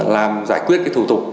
làm giải quyết cái thủ tục